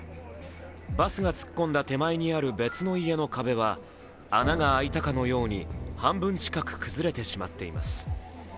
バスが突っ込んだ手前にある別の家の壁は穴が開いたかのように半分近く崩れてしまっています。